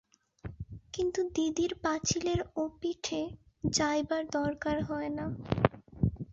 কিন্তু দিদির পাচিলের ওপিঠে যাইবার দরকার হয় না।